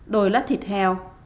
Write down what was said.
đồi lát thịt heo